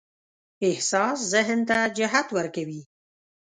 احساس ذهن ته جهت ورکوي.